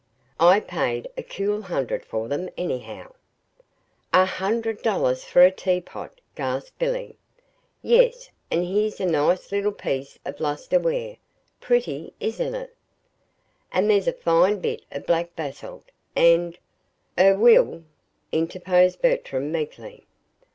I paid a cool hundred for them, anyhow." "A hundred dollars for a teapot!" gasped Billy. "Yes; and here's a nice little piece of lustre ware. Pretty isn't it? And there's a fine bit of black basalt. And " "Er Will," interposed Bertram, meekly.